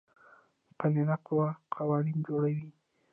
مقننه قوه قوانین جوړوي